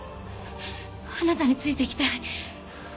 あなたについていきたい。